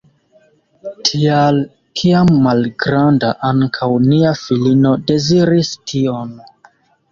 Tial, kiam malgranda, ankaŭ nia filino deziris tion.